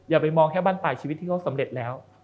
อย่าไปมองแค่บ้านปลายชีวิตที่เขาสำเร็จแล้ว